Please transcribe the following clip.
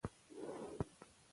د خلکو ګډون نظام له سقوطه ژغوري